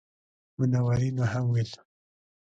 منورینو هم ویل.